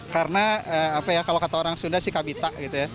karena apa ya kalau kata orang sunda sih kabita gitu ya